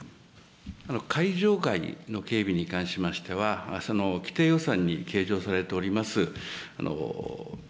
会場外の警備に関しましては、既定予算に計上されております